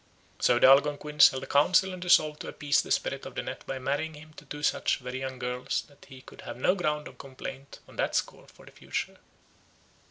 So the Algonquins held a council and resolved to appease the spirit of the net by marrying him to two such very young girls that he could have no ground of complaint on that score for the future.